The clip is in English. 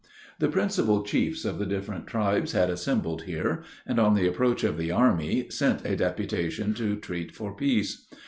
The principal chiefs of the different tribes had assembled here, and, on the approach of the army, sent a deputation to treat for peace.